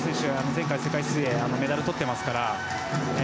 前回、世界水泳でメダルをとっていますから。